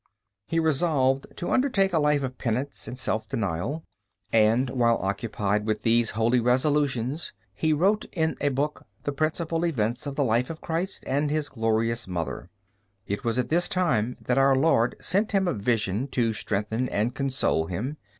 He resolved to undertake a life of penance and self denial, and, while occupied with these holy resolutions, he wrote in a book the principal events of the life of Christ and His glorious Mother. It was at this time that Our Lord sent him a vision to strengthen and console him.